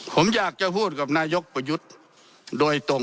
ผมอยากจะพูดกับนายกประยุทธ์โดยตรง